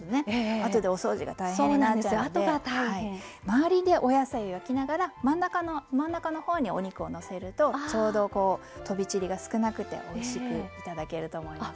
あとでお掃除が大変になっちゃうので周りでお野菜を焼きながら真ん中の方にお肉をのせるとちょうど飛び散りが少なくておいしく頂けると思います。